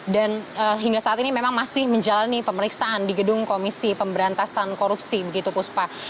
dan hingga saat ini memang masih menjalani pemeriksaan di gedung komisi pemberantasan korupsi begitu puspa